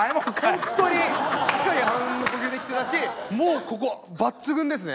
本当にしっかりあうんの呼吸できてたしもうここ抜群ですね